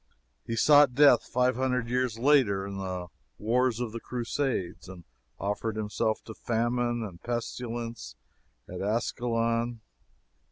He sought death five hundred years later, in the wars of the Crusades, and offered himself to famine and pestilence at Ascalon.